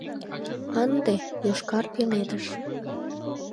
А ынде — Йошкар пеледыш...